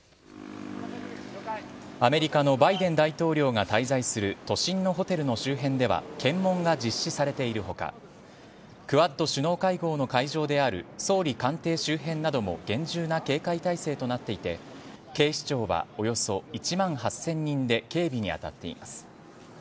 アメリカのバイデン大統領が滞在する都心のホテルの周辺では、検問が実施されているほか、クアッド首脳会合の会場である総理官邸周辺なども厳重な警戒態勢となっていて、警視庁はおよそ１万８０００人で警備に当たっています。